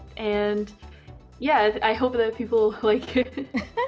dan ya saya harap orang akan suka